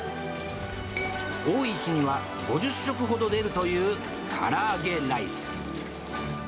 多い日には５０食ほど出るというから揚げライス。